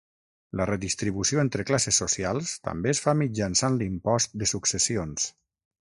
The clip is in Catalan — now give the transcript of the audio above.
La redistribució entre classes socials també es fa mitjançant l'impost de successions.